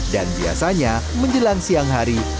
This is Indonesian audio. dan biasanya menjelang siang hari